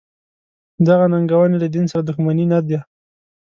دغه ننګونې له دین سره دښمني نه ده.